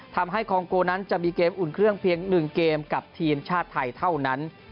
คองโกนั้นจะมีเกมอุ่นเครื่องเพียง๑เกมกับทีมชาติไทยเท่านั้น